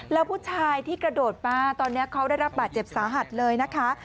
แล้วผู้ชายที่กระโดดมาตอนนี้เขาได้รับบาดเจ็บสาหัสเลยนะคะ